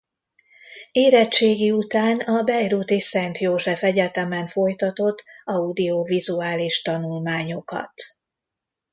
Érettségi után a bejrúti Szent József Egyetemen folytatott audiovizuális tanulmányokat.